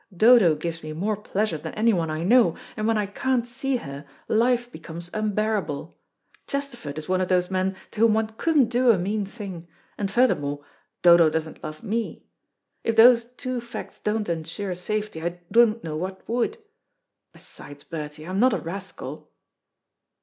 Dodo gives me more pleasure than anyone I know, and when I can't see her, life becomes unbearable. Chesterford is one of those men to whom one couldn't do a mean thing, and, furthermore, Dodo doesn't love me. If those two facts don't ensure safety, I don't know what would. Besides, Bertie, I'm not a rascal."